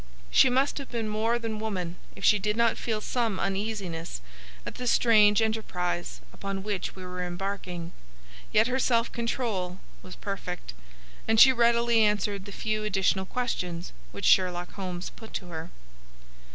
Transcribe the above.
She must have been more than woman if she did not feel some uneasiness at the strange enterprise upon which we were embarking, yet her self control was perfect, and she readily answered the few additional questions which Sherlock Holmes put to her.